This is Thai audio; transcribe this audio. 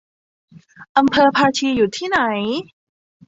อำเภอภาชีอยู่ที่ไหน